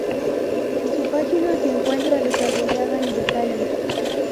En su página se encuentra desarrollada en detalle.